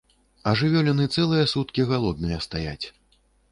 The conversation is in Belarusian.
А жывёліны цэлыя суткі галодныя стаяць.